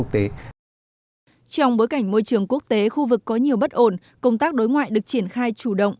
trong bối cảnh môi trường quốc tế khu vực có nhiều bất ổn công tác đối ngoại được triển khai chủ động